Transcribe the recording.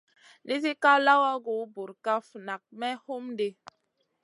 Nisi ká lawagu burkaf nak may hum ɗi.